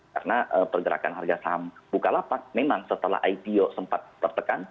karena pergerakan harga saham bukalapak memang setelah ipo sempat tertekan